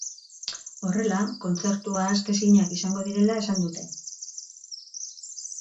Horrela, kontzertu ahaztezinak izango direla esan dute.